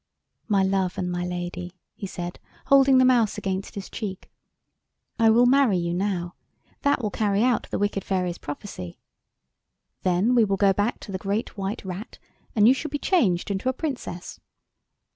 "My love and my lady," he said, holding the Mouse against his cheek. "I will marry you now. That will carry out the wicked fairy's prophecy. Then we will go back to the Great White Rat, and you shall be changed into a Princess."